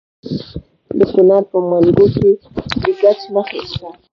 د کونړ په ماڼوګي کې د ګچ نښې شته.